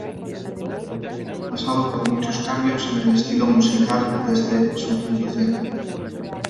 Ha pasado por muchos cambios en el estilo musical desde su fundación.